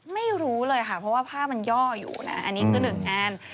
ไม่รู้เลยค่ะเพราะว่าผ้ามันย่ออยู่นะอันนี้คือหนึ่งแอน